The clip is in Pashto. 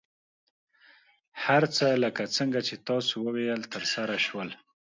هر څه لکه څنګه چې تاسو وویل، ترسره شول.